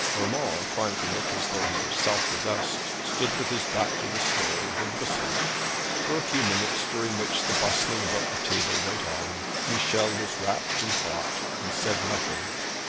Urmand, trying to look as though he were self possessed, stood with his back to the stove, and whistled. For a few minutes, during which the bustling about the table went on, Michel was wrapped in thought, and said nothing.